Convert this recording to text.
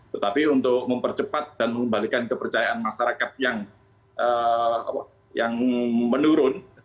tetapi untuk mempercepat dan mengembalikan kepercayaan masyarakat yang menurun